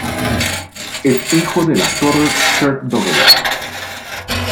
Es hijo del actor Kirk Douglas.